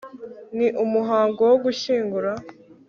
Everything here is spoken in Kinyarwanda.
Ni umuhango wo gushyingura